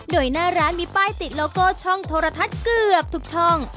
โดยหน้าร้านมีป้ายติดโลโก้ช่องโทรทัศน์เกือบทุกช่อง